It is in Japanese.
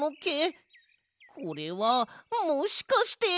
これはもしかして。